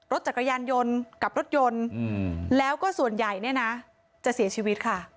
รถจักรยานยนต์กับรถยนต์แล้วก็ส่วนใหญ่เนี่ยนะจะเสียชีวิตค่ะ